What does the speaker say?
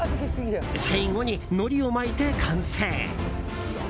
最後にのりを巻いて完成。